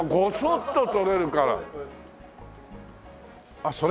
あっそれ？